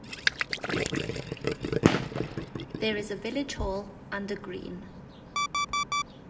There is a village hall and a green.